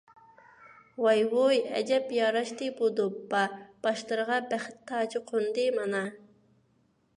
ۋاي - ۋۇي، ئەجەب ياراشتى بۇ دوپپا، باشلىرىغا بەخت تاجى قوندى مانا!